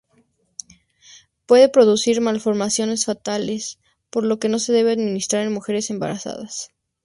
Puede producir malformaciones fetales, por lo que no se debe administrar a mujeres embarazadas.